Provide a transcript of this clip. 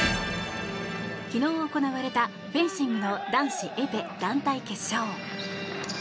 昨日行われたフェンシングの男子エペ団体決勝。